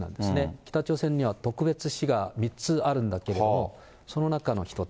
北朝鮮には特別市が３つあるんだけれども、その中の１つ。